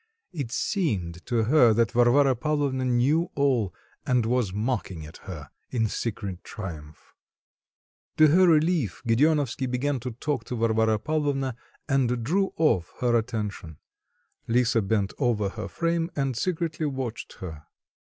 It seemed to her that Varvara Pavlovna knew all, and was mocking at her in secret triumph. To her relief, Gedeonovsky began to talk to Varvara Pavlovna, and drew off her attention. Lisa bent over her frame, and secretly watched her.